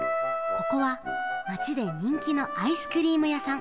ここはまちでにんきのアイスクリームやさん